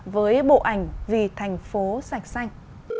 với bộ ảnh vì thành phố xanh xanh